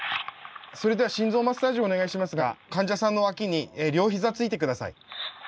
それでは心臓マッサージをお願いしますが患者さんの脇に両膝ついて下さい。